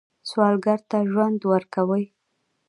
سوالګر ته ژوند ورکوئ